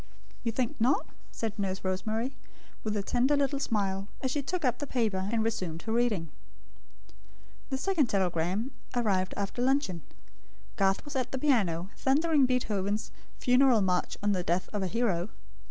"You think not?" said Nurse Rosemary, with a tender little smile, as she took up the paper, and resumed her reading. The second telegram arrived after luncheon. Garth was at the piano, thundering Beethoven's Funeral March on the Death of a Hero.